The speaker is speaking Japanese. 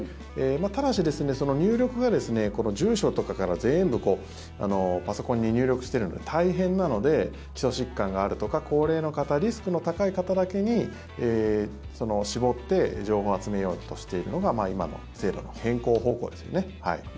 ただし、入力が住所とかから全部パソコンに入力してるので大変なので基礎疾患があるとか高齢の方リスクの高い方だけに絞って情報を集めようとしているのが今の制度の変更方向ですよね。